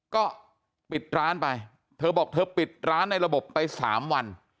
ก็ปิดร้านไปเธอบอกเธอปิดร้านในระบบไป๓วัน